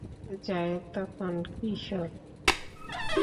যায়েদ তখন কিশোর।